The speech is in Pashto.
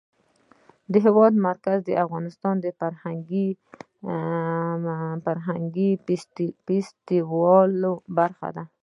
د هېواد مرکز د افغانستان د فرهنګي فستیوالونو برخه ده.